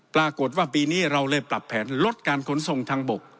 ปรากฏว่าปีนี้เราเลยปรับแผนลดการขนส่งทางบก